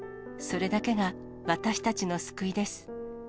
それだけが、私たちの救いです。